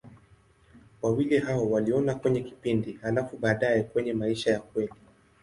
Wawili hao waliona kwenye kipindi, halafu baadaye kwenye maisha ya kweli.